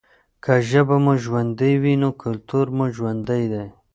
که ژبه مو ژوندۍ وي نو کلتور مو ژوندی دی.